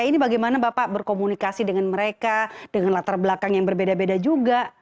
ini bagaimana bapak berkomunikasi dengan mereka dengan latar belakang yang berbeda beda juga